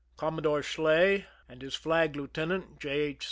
Commodore Schley and hisflag li.eutenant, J. H.